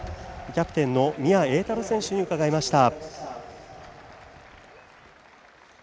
キャプテンの宮栄太朗選手に伺いました。